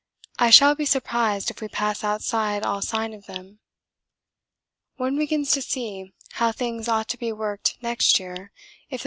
I shall be surprised if we pass outside all sign of them. One begins to see how things ought to be worked next year if the ponies hold out.